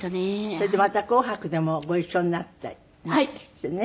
それでまた『紅白』でもご一緒になったりなんかしてね。